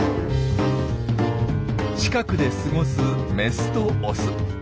近くで過ごすメスとオス。